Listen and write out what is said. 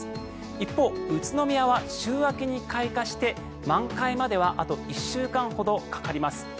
一方、宇都宮は週明けに開花して満開まではあと１週間ほどかかります。